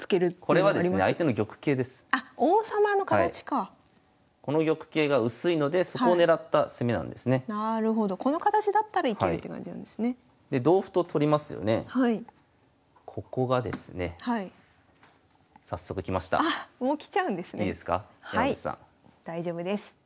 はい大丈夫です。